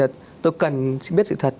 thì bây giờ tôi cần biết sự thật